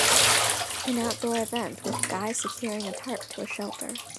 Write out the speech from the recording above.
An outdoor event with a guy securing a tarp to a shelter.